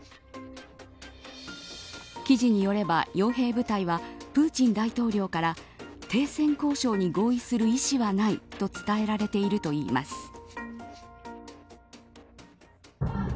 記事によれば、傭兵部隊はプーチン大統領から停戦交渉に合意する意思はないと伝えられているといいます。